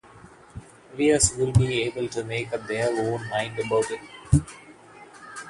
Viewers will be able to make up their own mind about it.